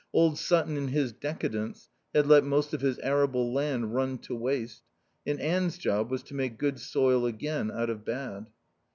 Old Sutton in his decadence had let most of his arable land run to waste, and Anne's job was to make good soil again out of bad.